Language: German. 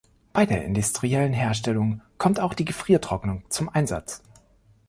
Bei der industriellen Herstellung kommt auch die Gefriertrocknung zum Einsatz.